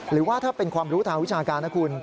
หรือว่าถ้าเป็นความรู้ทางวิชาการนะคุณ